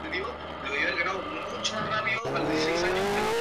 La Bell Atlantic Tower se sitúa en el borde sur de su parcela.